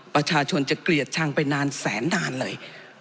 ประชาชนจะเกลียดชังไปนานแสนนานเลย